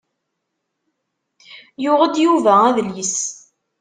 Yuɣ-d Yuba adlis.